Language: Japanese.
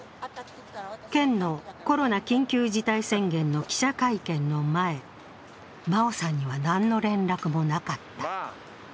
県のコロナ緊急事態宣言の記者会見の前、真生さんには何の連絡もなかった。